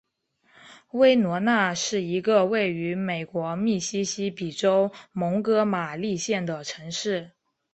威诺纳是一个位于美国密西西比州蒙哥马利县的城市。